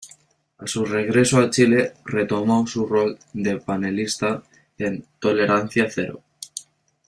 A su regreso a Chile retomó su rol de panelista en "Tolerancia cero".